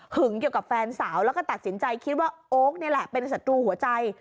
เกี่ยวกับแฟนสาวแล้วก็ตัดสินใจคิดว่าโอ๊คนี่แหละเป็นศัตรูหัวใจ